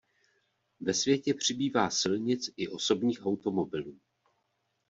Ve světě přibývá silnic i osobních automobilů.